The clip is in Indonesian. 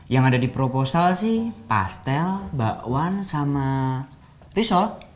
yang ada di proposal sih pastel bakwan sama risol